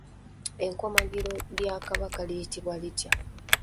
Ekkomagiro lya Kabaka liyitibwa litya?